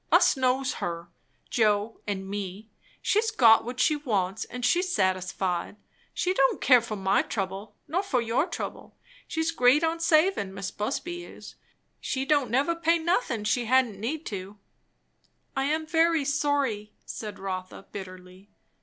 "Us knows her, Joe and me. She's got what she wants, and she's satisfied. She don't care for my trouble, nor for your trouble. She's great on savin', Mis' Busby is. She don't never pay nothin' she hadn't need to." "I am very sorry," said Rotha bitterly.